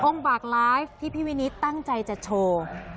บากไลฟ์ที่พี่วินิตตั้งใจจะโชว์